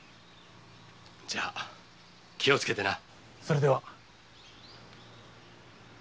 じゃ気をつけてな。